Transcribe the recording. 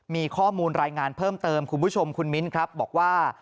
มีข้อมูลรายงานเพิ่มเติมคุณผู้ชมคุณมิ้นครับบอกว่า